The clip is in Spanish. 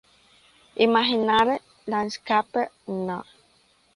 Imaginary Landscape No.